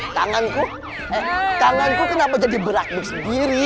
tanganku tanganku kenapa jadi berat sendiri